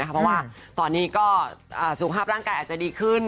เพราะว่าตอนนี้ก็สุขภาพร่างกายอาจจะดีขึ้น